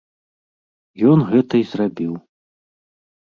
Ён гэта і зрабіў.